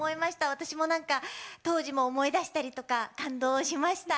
私も当時を思い出したりとか感動しました。